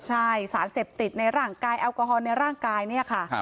ใช่สารเสพติดในร่างกายแอลกอฮอลในร่างกายเนี่ยค่ะ